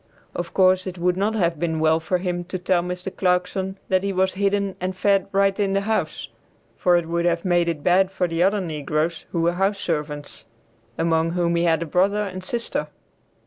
Of course it would not have been well for him to tell Mr. Clarkson that he was hidden and fed right in the house, for it would have made it bad for the other negroes who were house servants, among whom he had a brother and sister.